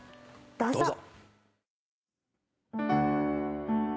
どうぞ。